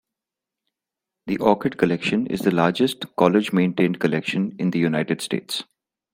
The orchid collection is the largest college maintained collection in the United States.